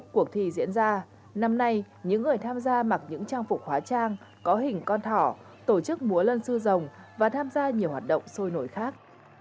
cuộc thi diễn ra năm nay những người tham gia mặc những trang phục hóa trang có hình con thỏ tổ chức múa lân sư rồng và tham gia nhiều hoạt động sôi nổi khác